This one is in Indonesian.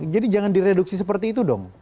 jadi jangan direduksi seperti itu dong